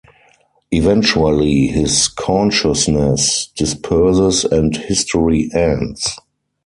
Eventually, his consciousness disperses, and history ends.